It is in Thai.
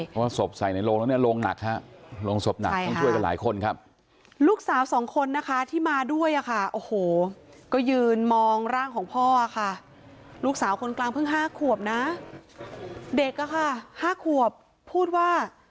เพราะว่าศพใส่ในโลงแล้วเนี่ยโลงหนักค่ะ